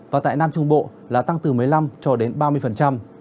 và tại nam trung bộ là tăng từ một mươi năm cho đến ba mươi